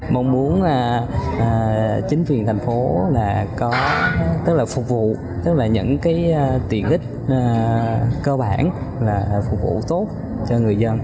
mong muốn chính quyền thành phố là có tức là phục vụ tức là những cái tiện ích cơ bản là phục vụ tốt cho người dân